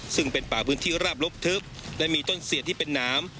ซึ่งเป็นป่าพื้นที่ราบลบทึบและมีต้นเสียที่เป็นน้ำ